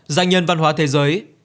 danh nhân văn hóa thế giới